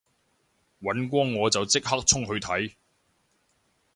尹光我就即刻衝去睇